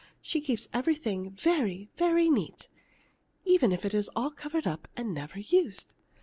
She keeps everything very, very neat, even if it is all covered up and never used.